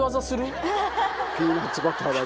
ピーナツバターだけ。